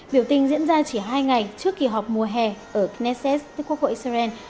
biểu tình diễn ra chỉ hai ngày trước kỳ họp mùa hè ở knesset quốc hội israel